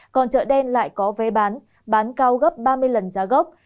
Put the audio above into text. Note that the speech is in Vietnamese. còn chợ đen lại có vé bán bán cao gấp ba mươi lần giá gốc